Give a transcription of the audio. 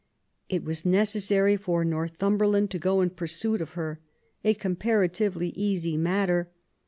It was necessary for Northumberland to go in pursuit of her, a comparatively easy matter.